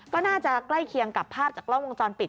ก็น่าจะใกล้เคียงกับภาพจากกล้องวงจรปิด